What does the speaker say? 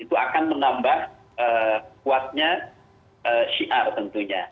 itu akan menambah kuatnya syiar tentunya